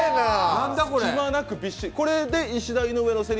隙間なくびっしり。